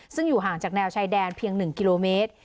ซึ่งอยู่ห่างจากแนวชายแดนเพียง๑กิโลเมตร